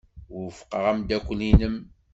Wufqeɣ ameddakel-nnem.